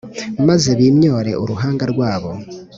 maze bimyore uruhanga rwabo.